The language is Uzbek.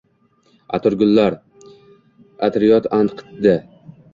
Atirgullar... atriyot anqitdi.